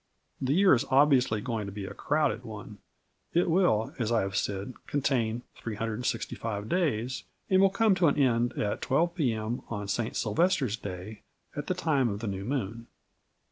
The year is obviously going to be a crowded one. It will, as I have said, contain 365 days and will come to an end at 12 P.M. on St Silvester's Day at the time of the new moon.